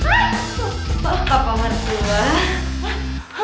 apa apaan sih lu lah